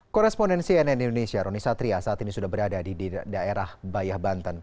korespondensi nn indonesia roni satria saat ini sudah berada di daerah bayah banten